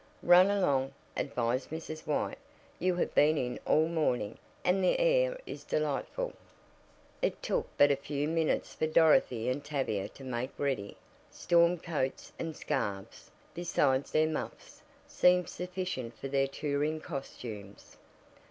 "Run along," advised Mrs. White. "You have been in all morning, and the air is delightful." It took but a few minutes for Dorothy and Tavia to make ready. Storm coats and scarfs, besides their muffs, seemed sufficient for their touring costumes.